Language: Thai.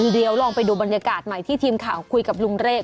เดี๋ยวลองไปดูบรรยากาศใหม่ที่ทีมข่าวคุยกับลุงเรศ